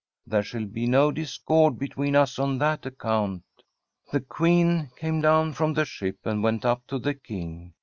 There shall be no discord between us on that account.' The Queen came down from the ship and went up to the King.